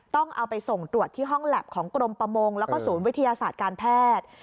ต้องเอาไปส่งตรวจที่ห้องแล็บของกรมประมงแล้วก็ศูนย์วิทยาศาสตร์การแพทย์